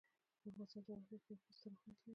د افغانستان جغرافیه کې یاقوت ستر اهمیت لري.